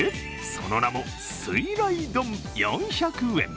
その名も酔来丼、４００円。